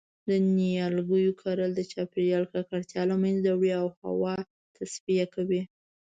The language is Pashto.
د نیالګیو کرل د چاپیریال ککړتیا له منځه وړی او هوا تصفیه کوی